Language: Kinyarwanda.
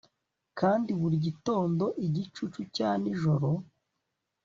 Kandi buri gitondo igicucu cya nijoro